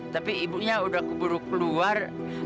tapi ibunya udah keburu keluar